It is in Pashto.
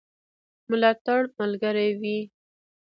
ملاتړ ملګری وي.